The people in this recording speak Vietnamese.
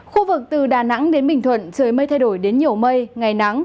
khu vực từ đà nẵng đến bình thuận trời mây thay đổi đến nhiều mây ngày nắng